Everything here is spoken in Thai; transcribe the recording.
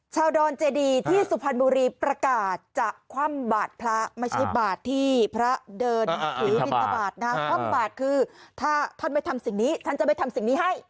ดอนเจดีที่สุพรรณบุรีประกาศจะคว่ำบาดพระไม่ใช่บาทที่พระเดินถือบินทบาทนะคว่ำบาดคือถ้าท่านไม่ทำสิ่งนี้ฉันจะไม่ทำสิ่งนี้ให้